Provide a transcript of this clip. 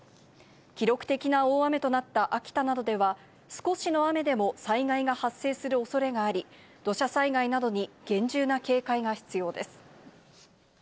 記録的な大雨となった秋田などでは、少しの雨でも災害が発生する恐れがあり、土砂災害などに厳重な警戒が必要です。